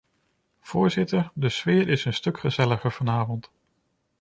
Voorzitter, de sfeer is een stuk gezelliger vanavond.